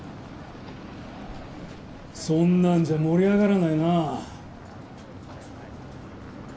・そんなんじゃ盛り上がらないな。